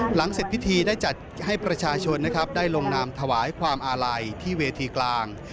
หลังเสร็จพิธีได้จัดให้ประชาชนนะครับได้ลงนามถวายความอาลัยที่เวทีกลาง